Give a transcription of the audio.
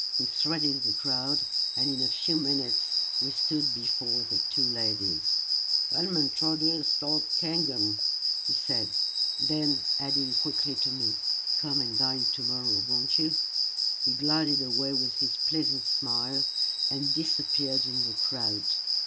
We threaded the crowd, and in a few minutes we stood before the two ladies. "'Lowmintrduce L'd Cairngorm," he said; then, adding quickly to me, "Come and dine to morrow, won't you?" he glided away with his pleasant smile and disappeared in the crowd.